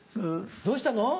どうしたの？